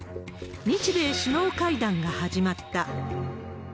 日米首脳会談が始まった。